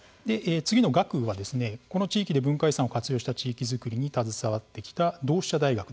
学は、この地域で文化遺産を活用した地域づくりに携わってきた同志社大学。